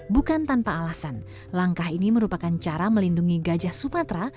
bukan tanpa alasan langkah ini merupakan cara melindungi gajah sumatera